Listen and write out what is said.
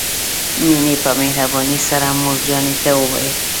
مينې په مهربانۍ سره مور جانې ته وويل.